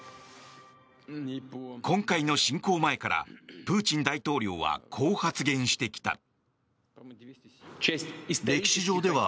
今回の侵攻前からプーチン大統領はこう発言してきた。